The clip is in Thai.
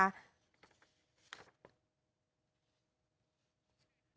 โอเค